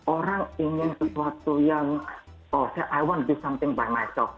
orang ingin sesuatu yang oh saya ingin melakukan sesuatu sendiri